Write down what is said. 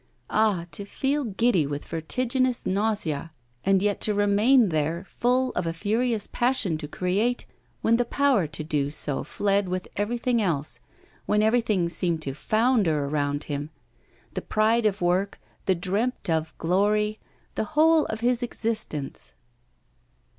Ah, to feel giddy with vertiginous nausea, and yet to remain there full of a furious passion to create, when the power to do so fled with everything else, when everything seemed to founder around him the pride of work, the dreamt of glory, the whole of his existence!